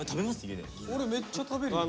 俺めっちゃ食べるよ。